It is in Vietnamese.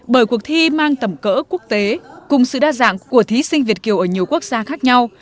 bởi cuộc thi mang tầm cỡ quốc tế cùng sự đa dạng của thí sinh việt kiều ở nhiều quốc gia khác nhau